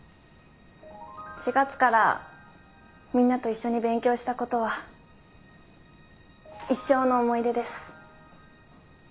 ４月からみんなと一緒に勉強したことは一生の思い出です